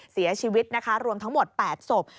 เสียชีวิตนะคะรวมทั้งหมด๘ศพ